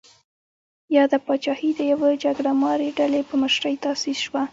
یاده پاچاهي د یوې جګړه مارې ډلې په مشرۍ تاسیس شوه.